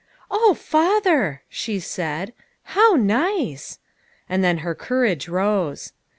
" O father !" she said, " how nice." And then her courage rose.